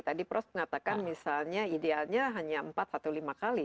tadi prof mengatakan misalnya idealnya hanya empat atau lima kali